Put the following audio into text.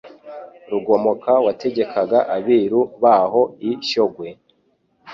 Rugomoka wategekaga abiru baho i Shyogwe,